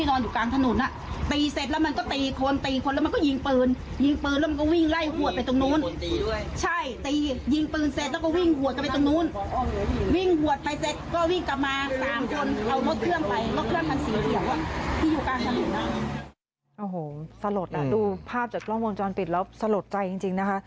โอ้โหสลดดูภาพจากกล้องวงจรปิดแล้วสลดใจจริงนะคะ